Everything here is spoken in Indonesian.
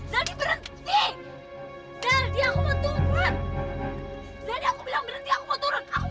zal diberhentiinmu begini sekarang juga gak